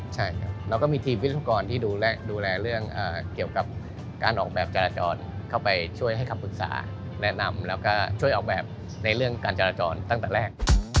ใช่ครับเราก็มีทีมวิศวกรที่ดูแลเรื่องเกี่ยวกับการออกแบบจราจรเข้าไปช่วยให้คำปรึกษาแนะนำแล้วก็ช่วยออกแบบในเรื่องการจราจรตั้งแต่แรก